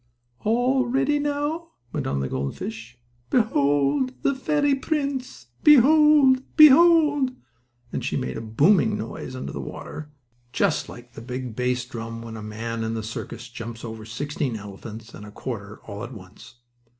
"All ready now!" went on the gold fish. "Behold the fairy prince. Behold! Behold!" and she made a booming noise under the water, just like the big bass drum, when a man in the circus jumps over sixteen elephants and a quarter all at once.